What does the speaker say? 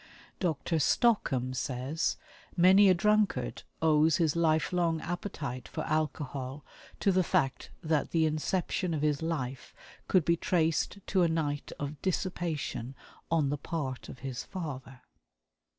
Dr. Stockham says: "Many a drunkard owes his lifelong appetite for alcohol to the fact that the inception of his life could be traced to a night of dissipation on the part of his father."